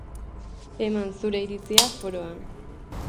Eman zure iritzia foroan.